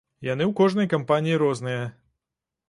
Яны ў кожнай кампаніі розныя.